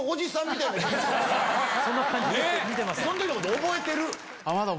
その時のこと覚えてる？